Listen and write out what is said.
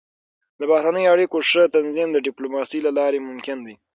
د بهرنیو اړیکو ښه تنظیم د ډيپلوماسۍ له لارې ممکن دی.